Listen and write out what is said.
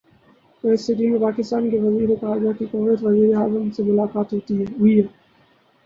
Kuwait City میں پاکستان کے وزیر داخلہ کی کویت کے وزیراعظم سے ملاقات ہوئی ہے